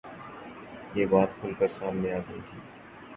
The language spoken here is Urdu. یہ بات کُھل کر سامنے آ گئی تھی